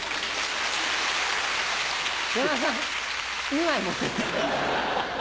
山田さん２枚持ってって。